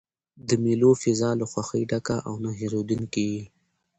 د مېلو فضا له خوښۍ ډکه او نه هېردونکې يي.